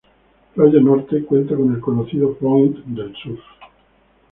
Playa Norte, cuenta con el conocido 'Point' del surf.